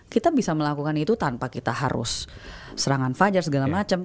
kita bisa melakukan itu tanpa kita harus serangan fajar segala macam